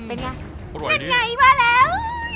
นั่นไงว่าแล้ว